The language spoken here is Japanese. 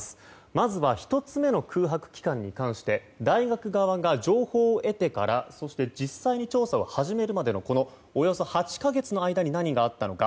まずは１つ目の空白期間に関して大学側が情報を得てから実際に捜査を始めるまでのこのおよそ８か月の間に何があったのか。